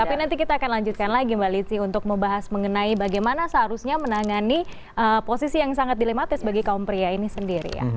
tapi nanti kita akan lanjutkan lagi mbak lizzie untuk membahas mengenai bagaimana seharusnya menangani posisi yang sangat dilematis bagi kaum pria ini sendiri ya